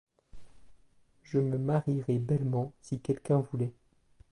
Je me marierais bellement si quelqu’un voulait.